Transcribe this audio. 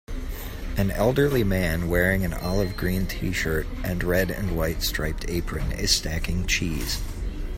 An elderly Man wearing a olive green shirt and red and white striped apron is stacking cheese.